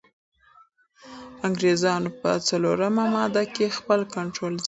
انګریزانو په څلورمه ماده کي خپل کنټرول زیات کړ.